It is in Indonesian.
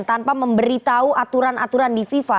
tanpa memberitahu aturan aturan di fifa